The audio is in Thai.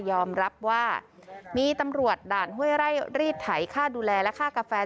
ยอมรับว่ามีตำรวจด่านห้วยไร่รีดไถค่าดูแลและค่ากาแฟ